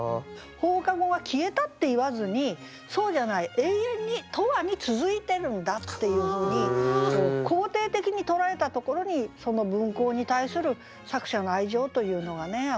放課後が消えたって言わずにそうじゃない永遠に永遠に続いてるんだっていうふうに肯定的に捉えたところにその分校に対する作者の愛情というのがあふれてますよね。